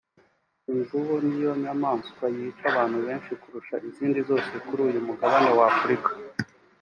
imvubu niyo nyamaswa yica abantu benshi kurusha izindi zose kuri uyu mugabane wa Afurika